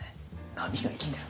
波が生きてる。